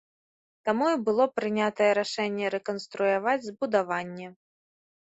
Таму і было прынятае рашэнне рэканструяваць збудаванне.